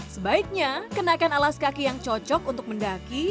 sebaiknya kenakan alas kaki yang cocok untuk mendaki